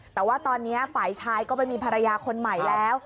แต่ว่าตอนนี้ฝ่ายชายก็ไปมีภรรยาคนใหม่แล้ว